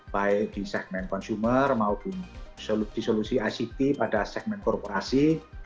baik di segmen consumer maupun di solusi ict pada segmen korporasi